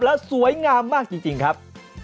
และสวยงามมากจริงครับ